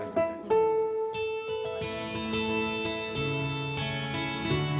mama lintang boleh besul ya